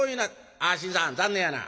あ信さん残念やな。